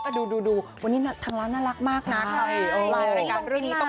แต่วันนี้ดูนะวันนี้ท้านร้านน่ารักมากนะครับ